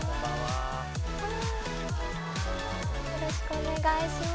よろしくお願いします。